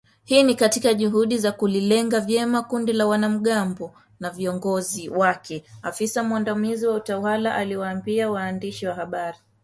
Hii ni katika juhudi za kulilenga vyema kundi la wanamgambo na viongozi wake, afisa mwandamizi wa utawala aliwaambia waandishi wa habari.